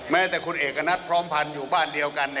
แม้แต่คุณเอกณัฐพร้อมพันธ์อยู่บ้านเดียวกัน